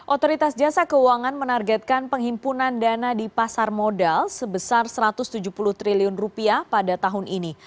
otoritas jasa keuangan menargetkan penghimpunan dana di pasar modal sebesar satu ratus tujuh puluh triliun rupiah pada tahun ini